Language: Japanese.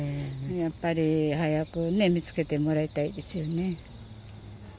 やっぱり早く見つけてもらいたいですよね。